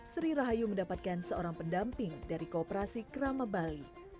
sri rahayu mendapatkan seorang pendamping dari kooperasi kerama bali